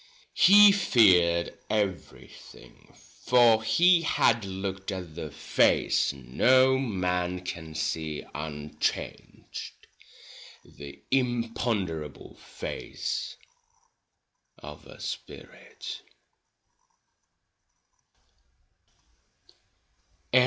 He feared everything, for he had looked at the face no man can see unchanged — the impon derable face of a spirit.